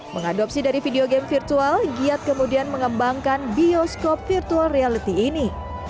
mengadopsi dari video game virtual giat kemudian mengembangkan bioskop virtual reality ini